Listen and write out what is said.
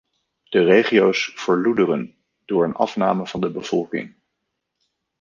De regio's verloederen door een afname van de bevolking.